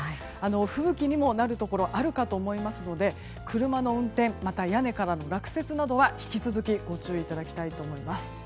吹雪にもなるところがあるかと思いますので車の運転また屋根からの落雪などは引き続きご注意いただきたいと思います。